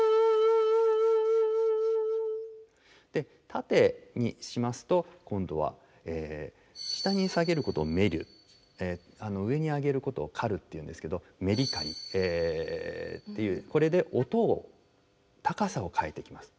縦にしますと今度は下に下げることを「沈る」上に上げることを「浮る」っていうんですけどメリカリっていうこれで音を高さを変えていきます。